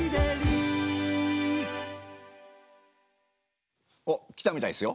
ええ。おっ来たみたいですよ！